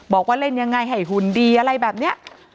บอกว่าเล่นยังไงให้หุ่นดีอะไรแบบนี้